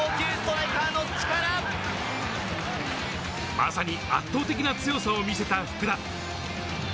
まさに圧倒的な強さを見せた福田。